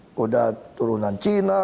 sudah turunan cina